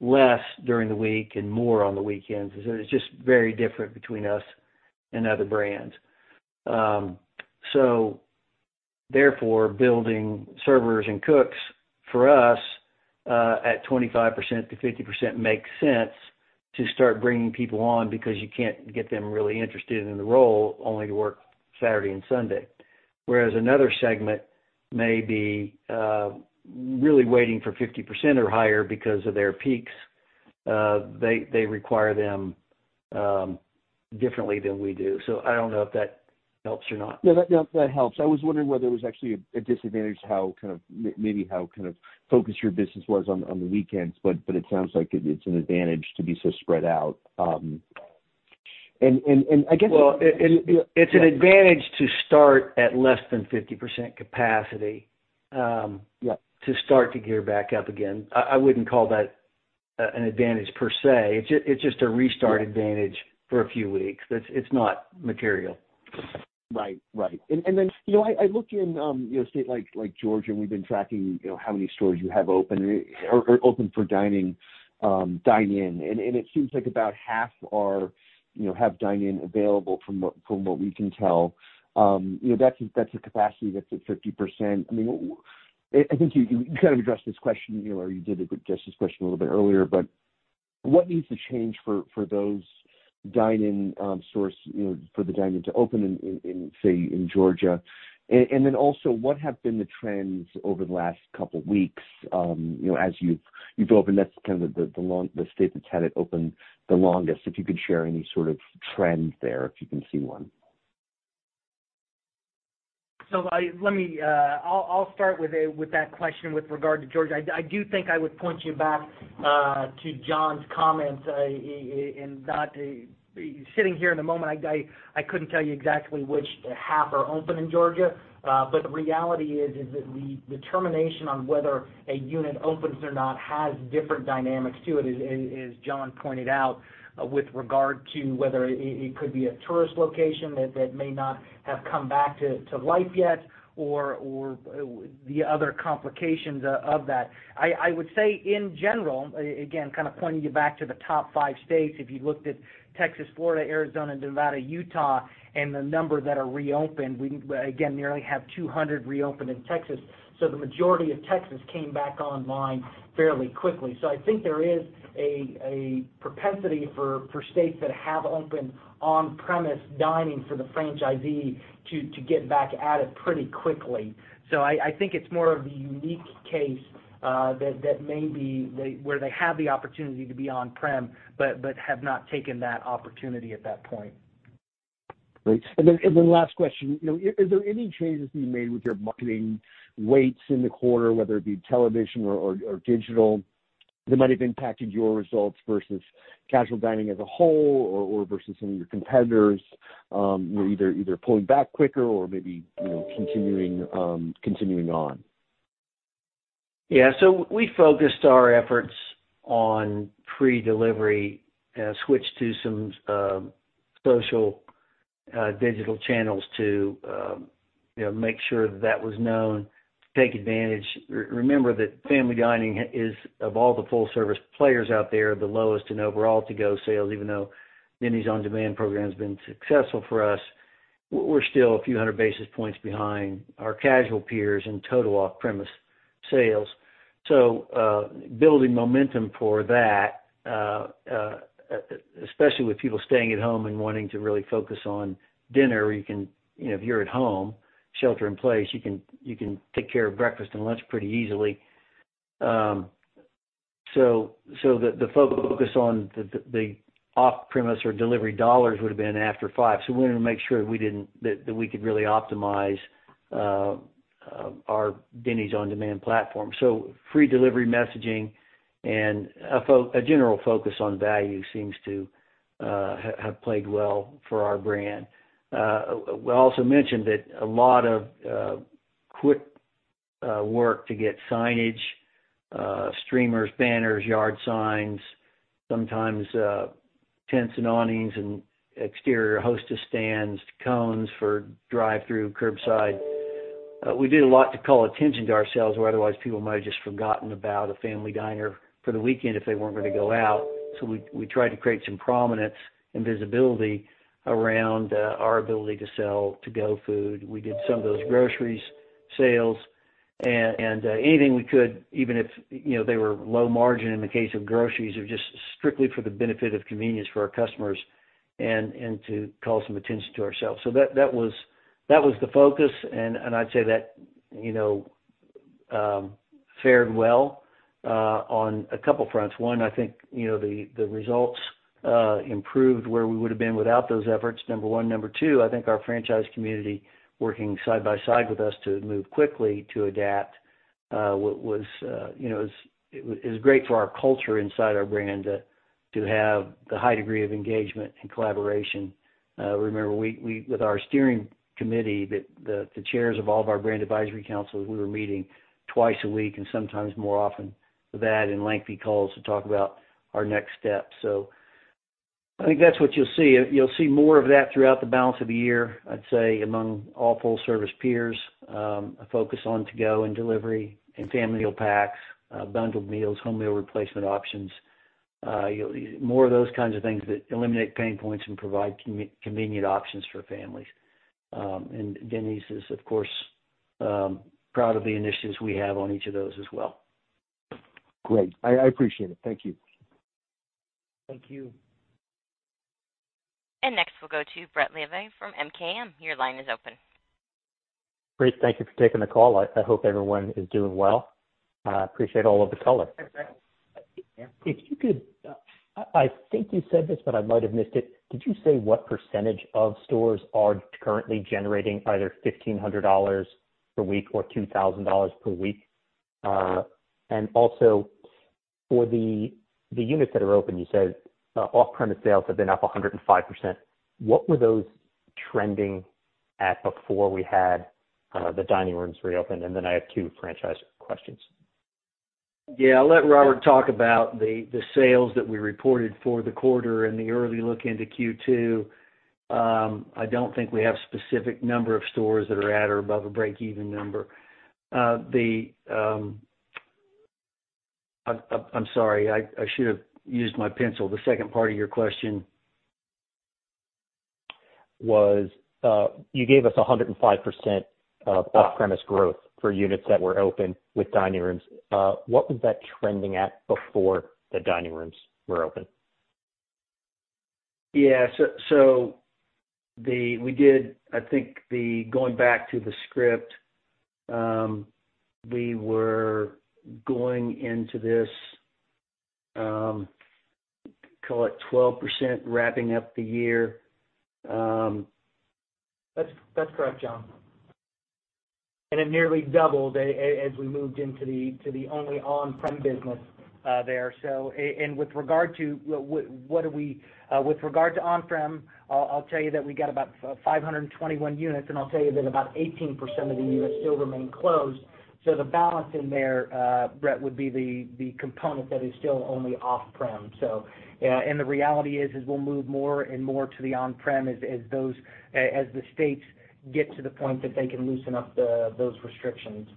less during the week and more on the weekends. It's just very different between us and other brands. Therefore, building servers and cooks for us, at 25%-50% makes sense to start bringing people on because you can't get them really interested in the role only to work Saturday and Sunday. Whereas another segment may be really waiting for 50% or higher because of their peaks. They require them differently than we do. I don't know if that helps or not. No, that helps. I was wondering whether it was actually a disadvantage to maybe how focused your business was on the weekends. It sounds like it's an advantage to be so spread out. Well, it's an advantage to start at less than 50% capacity. Yeah to start to gear back up again. I wouldn't call that an advantage per se. It's just a restart advantage for a few weeks. It's not material. Right. I looked in a state like Georgia, and we've been tracking how many stores you have open for dine in, and it seems like about half have dine in available from what we can tell. That's a capacity that's at 50%. I think you addressed this question, or you did address this question a little bit earlier, what needs to change for those dine in stores for the dine-in to open in, say, in Georgia? Also, what have been the trends over the last couple weeks as you've opened? That's the state that's had it open the longest. If you could share any sort of trends there, if you can see one. Let me-- I'll start with that question with regard to Georgia. I do think I would point you back to John's comments in that sitting here in a moment, I couldn't tell you exactly which half are open in Georgia. The reality is that the determination on whether a unit opens or not has different dynamics to it, as John pointed out with regard to whether it could be a tourist location that may not have come back to life yet or the other complications of that. I would say in general, again, kind of pointing you back to the top five states. If you looked at Texas, Florida, Arizona, Nevada, Utah, and the number that are reopened, we again, nearly have 200 reopened in Texas. The majority of Texas came back online fairly quickly. I think there is a propensity for states that have open on-premise dining for the franchisee to get back at it pretty quickly. I think it's more of the unique case where they have the opportunity to be on-prem, but have not taken that opportunity at that point. Great. Last question. Is there any changes being made with your marketing weights in the quarter, whether it be television or digital, that might have impacted your results versus casual dining as a whole or versus some of your competitors who are either pulling back quicker or maybe continuing on? Yeah. We focused our efforts on free delivery, switched to some social digital channels to make sure that was known to take advantage. Remember that family dining is, of all the full-service players out there, the lowest in overall to-go sales even though Denny's on Demand program has been successful for us. We're still a few hundred basis points behind our casual peers in total off-premise sales. Building momentum for that, especially with people staying at home and wanting to really focus on dinner where you can, if you're at home, shelter in place, you can take care of breakfast and lunch pretty easily. The focus on the off-premise or delivery dollars would have been after 5:00. We wanted to make sure that we could really optimize our Denny's on Demand platform. Free delivery messaging and a general focus on value seems to have played well for our brand. We also mentioned that a lot of quick work to get signage, streamers, banners, yard signs, sometimes tents and awnings and exterior hostess stands, cones for drive-through, curbside. We did a lot to call attention to ourselves or otherwise people might have just forgotten about a family diner for the weekend if they weren't going to go out. We tried to create some prominence and visibility around our ability to sell to-go food. We did some of those groceries sales and anything we could, even if they were low margin in the case of groceries or just strictly for the benefit of convenience for our customers and to call some attention to ourselves. That was the focus and I'd say that fared well on a couple fronts. One, I think the results improved where we would have been without those efforts, number one. Number two, I think our franchise community working side by side with us to move quickly to adapt was great for our culture inside our brand to have the high degree of engagement and collaboration. Remember with our steering committee, the chairs of all of our brand advisory councils, we were meeting twice a week and sometimes more often for that and lengthy calls to talk about our next steps. I think that's what you'll see. You'll see more of that throughout the balance of the year. I'd say among all full-service peers, a focus on to-go and delivery and family meal packs, bundled meals, home meal replacement options. More of those kinds of things that eliminate pain points and provide convenient options for families. Denny's is, of course, proud of the initiatives we have on each of those as well. Great. I appreciate it. Thank you. Thank you. Next we'll go to Brett Levy from MKM. Your line is open. Great. Thank you for taking the call. I hope everyone is doing well. I appreciate all of the color. Hi, Brett. If you could, I think you said this, but I might have missed it. Did you say what percentage of stores are currently generating either $1,500 per week or $2,000 per week? Also for the units that are open, you said off-premise sales have been up 105%. What were those trending at before we had the dining rooms reopen? Then I have two franchise questions. Yeah. I'll let Robert talk about the sales that we reported for the quarter and the early look into Q2. I don't think we have specific number of stores that are at or above a break-even number. I'm sorry. I should have used my pencil for the second part of your question. You gave us 105% of off-premise growth for units that were open with dining rooms. What was that trending at before the dining rooms were open? Yeah. We did, I think going back to the script, we were going into this, call it 12% wrapping up the year. That's correct, John. It nearly doubled as we moved into the only on-prem business there. With regard to on-prem, I'll tell you that we got about 521 units, and I'll tell you that about 18% of the units still remain closed. The balance in there, Brett, would be the component that is still only off-prem. The reality is we'll move more and more to the on-prem as the states get to the point that they can loosen up those restrictions.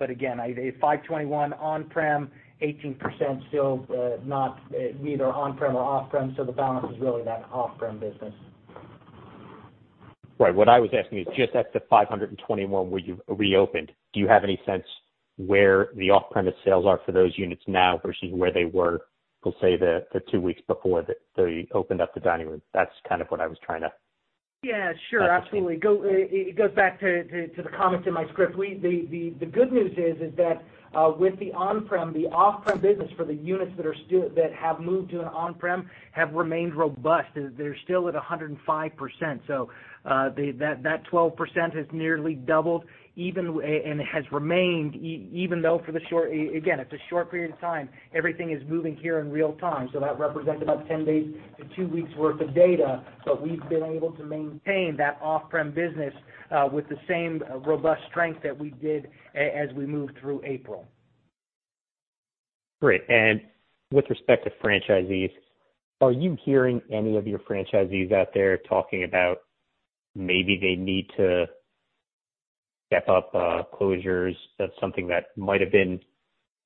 Again, 521 on-prem, 18% still neither on-prem or off-prem. The balance is really that off-prem business. Right. What I was asking is just at the 521 where you've reopened, do you have any sense where the off-premise sales are for those units now versus where they were, for say, the two weeks before they opened up the dining room? That's kind of what I was trying to. Yeah, sure. Absolutely. It goes back to the comments in my script. The good news is that with the on-prem, the off-prem business for the units that have moved to an on-prem have remained robust. They're still at 105%. That 12% has nearly doubled, and it has remained even though for the short, again, it's a short period of time. Everything is moving here in real time. That represents about 10 days to two weeks worth of data, but we've been able to maintain that off-prem business with the same robust strength that we did as we moved through April. Great. With respect to franchisees, are you hearing any of your franchisees out there talking about maybe they need to step up closures? That's something that might have been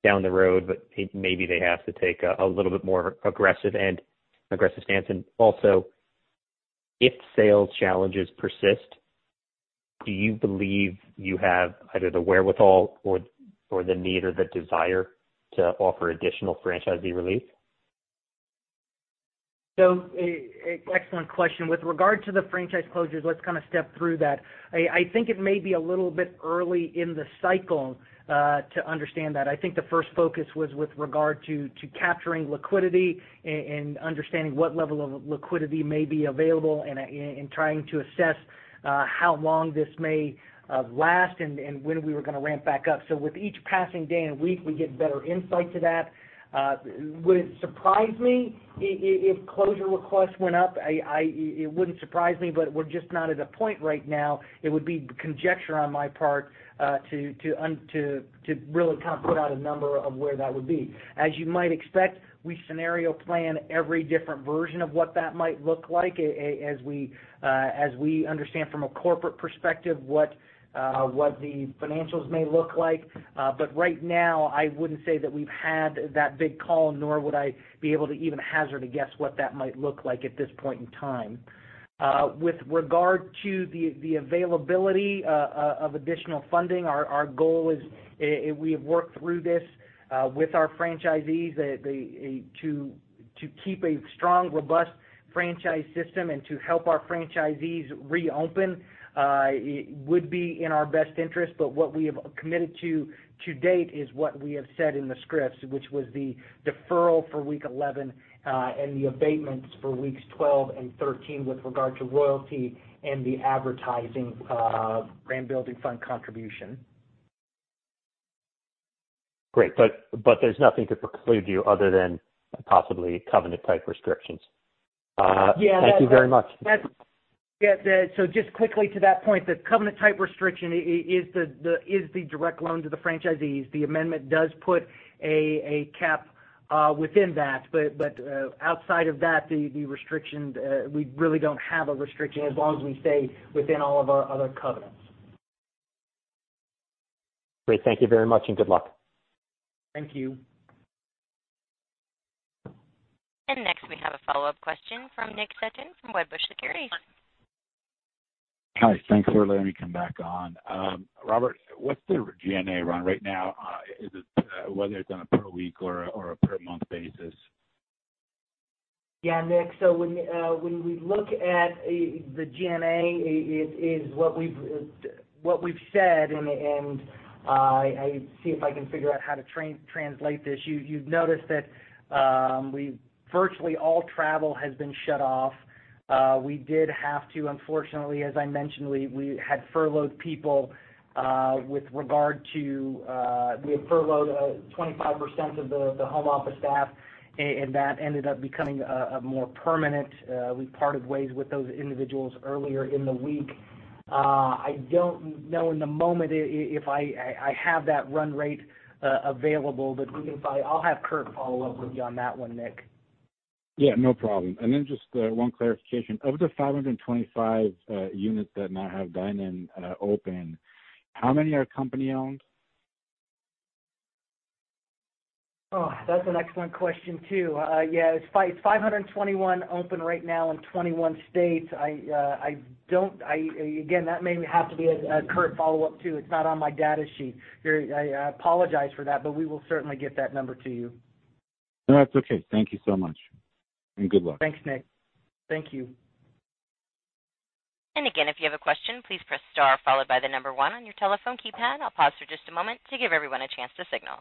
down the road, but maybe they have to take a little bit more aggressive stance. Also, if sales challenges persist, do you believe you have either the wherewithal or the need or the desire to offer additional franchisee relief? Excellent question. With regard to the franchise closures, let's kind of step through that. I think it may be a little bit early in the cycle to understand that. I think the first focus was with regard to capturing liquidity and understanding what level of liquidity may be available and trying to assess how long this may last and when we were going to ramp back up. With each passing day and week, we get better insight to that. Would it surprise me if closure requests went up? It wouldn't surprise me, but we're just not at a point right now. It would be conjecture on my part to really kind of put out a number of where that would be. As you might expect, we scenario plan every different version of what that might look like as we understand from a corporate perspective what the financials may look like. Right now, I wouldn't say that we've had that big call, nor would I be able to even hazard a guess what that might look like at this point in time. With regard to the availability of additional funding, our goal is we have worked through this with our franchisees to keep a strong, robust franchise system and to help our franchisees reopen. It would be in our best interest, but what we have committed to to date is what we have said in the scripts, which was the deferral for week 11 and the abatements for weeks 12 and 13 with regard to royalty and the advertising brand building fund contribution. Great. There's nothing to preclude you other than possibly covenant-type restrictions. Yeah. Thank you very much. Just quickly to that point, the covenant-type restriction is the direct loan to the franchisees. The amendment does put a cap within that, but outside of that, we really don't have a restriction as long as we stay within all of our other covenants. Great. Thank you very much, and good luck. Thank you. Next we have a follow-up question from Nick Setyan from Wedbush Securities. Hi. Thanks for letting me come back on. Robert, what's the G&A run rate now, whether it's on a per week or a per month basis? Yeah, Nick. When we look at the G&A, what we've said, and I see if I can figure out how to translate this. You've noticed that virtually all travel has been shut off. We did have to, unfortunately, as I mentioned, we had furloughed people. We had furloughed 25% of the home office staff, and that ended up becoming more permanent. We parted ways with those individuals earlier in the week. I don't know in the moment if I have that run rate available, but we can find. I'll have Curt follow up with you on that one, Nick. Yeah, no problem. Just one clarification. Of the 525 units that now have dine-in open, how many are company owned? Oh, that's an excellent question, too. Yeah, it's 521 open right now in 21 states. Again, that may have to be a Curt follow-up, too. It's not on my data sheet. I apologize for that, but we will certainly get that number to you. No, that's okay. Thank you so much. Good luck. Thanks, Nick. Thank you. Again, if you have a question, please press star followed by the number 1 on your telephone keypad. I'll pause for just a moment to give everyone a chance to signal.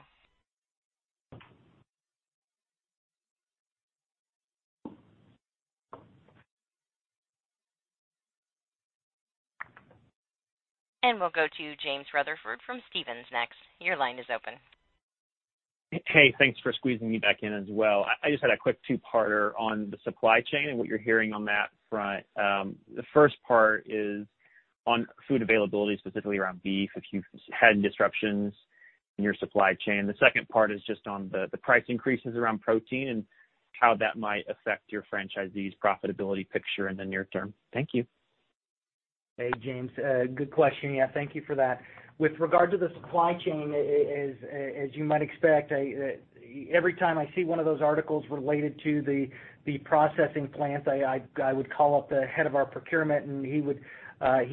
We'll go to James Rutherford from Stephens next. Your line is open. Hey, thanks for squeezing me back in as well. I just had a quick two-parter on the supply chain and what you're hearing on that front. The first part is on food availability, specifically around beef, if you've had any disruptions in your supply chain. The second part is just on the price increases around protein and how that might affect your franchisees' profitability picture in the near term. Thank you. Hey, James. Good question. Yeah, thank you for that. With regard to the supply chain, as you might expect, every time I see one of those articles related to the processing plant, I would call up the head of our procurement, and he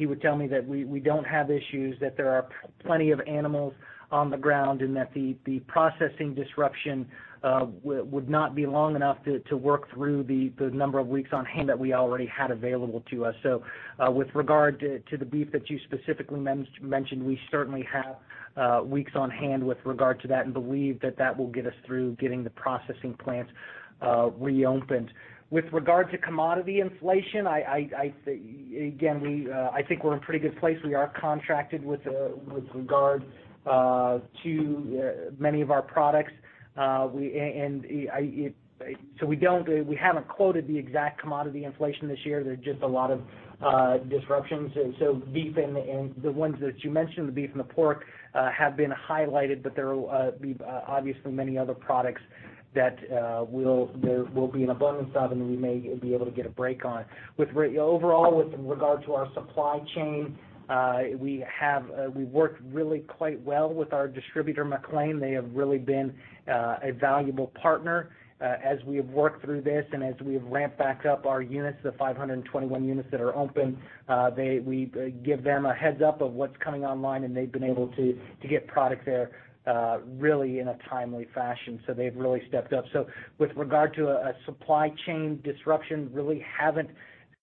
would tell me that we don't have issues, that there are plenty of animals on the ground, and that the processing disruption would not be long enough to work through the number of weeks on hand that we already had available to us. With regard to the beef that you specifically mentioned, we certainly have weeks on hand with regard to that and believe that that will get us through getting the processing plant reopened. With regard to commodity inflation, again, I think we're in a pretty good place. We are contracted with regard to many of our products. We haven't quoted the exact commodity inflation this year. There are just a lot of disruptions. Beef and the ones that you mentioned, the beef and the pork, have been highlighted, but there will be obviously many other products that there will be an abundance of, and we may be able to get a break on. Overall, with regard to our supply chain, we've worked really quite well with our distributor, McLane. They have really been a valuable partner as we have worked through this and as we have ramped back up our units, the 521 units that are open. We give them a heads up of what's coming online, and they've been able to get product there really in a timely fashion. They've really stepped up. With regard to a supply chain disruption, really haven't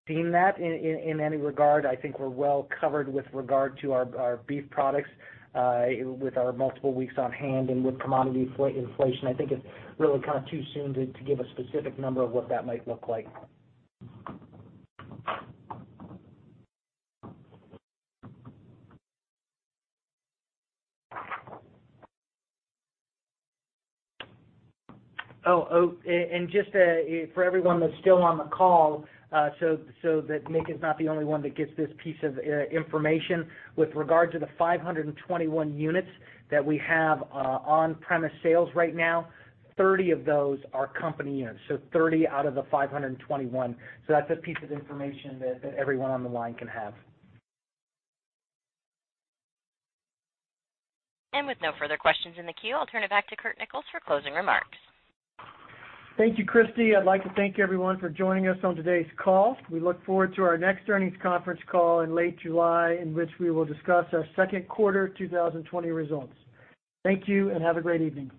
seen that in any regard. I think we're well covered with regard to our beef products with our multiple weeks on hand and with commodity inflation. I think it's really kind of too soon to give a specific number of what that might look like. Just for everyone that's still on the call, so that Nick is not the only one that gets this piece of information. With regard to the 521 units that we have on-premise sales right now, 30 of those are company units, so 30 out of the 521. That's a piece of information that everyone on the line can have. With no further questions in the queue, I'll turn it back to Curt Nichols for closing remarks. Thank you, Christy. I'd like to thank everyone for joining us on today's call. We look forward to our next earnings conference call in late July, in which we will discuss our second quarter 2020 results. Thank you, and have a great evening.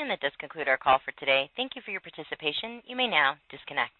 That does conclude our call for today. Thank you for your participation. You may now disconnect.